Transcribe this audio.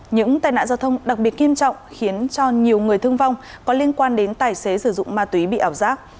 những tai nạn giao thông đặc biệt nghiêm trọng khiến cho nhiều người thương vong có liên quan đến tài xế sử dụng ma túy bị ảo giác